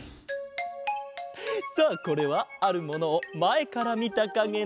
さあこれはあるものをまえからみたかげだ。